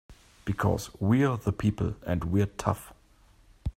Because we're the people and we're tough!